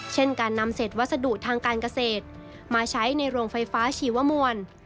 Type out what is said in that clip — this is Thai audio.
เช่นการนำเศษวัสดุทางการเกษตรมาใช้ในโรงไฟฟ้าชีวมวล